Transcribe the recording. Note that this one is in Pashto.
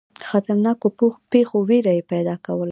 خطرناکو پیښو وېره یې پیدا کوله.